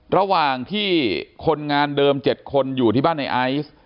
ระหว่างที่คนงานเดิม๗คนอยู่ที่บ้านในไอซ์